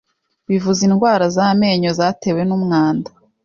bivuza indwara z’amenyo zatewe n’umwanda